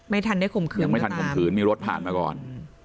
ยังไม่ทันข่มขืนมีรถผ่านมาก่อน